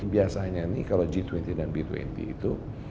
biasanya nih kalau g dua puluh dan b dua puluh itu